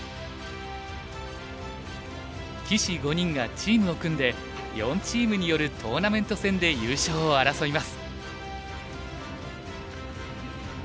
棋士５人がチームを組んで４チームによるトーナメント戦で優勝を争います。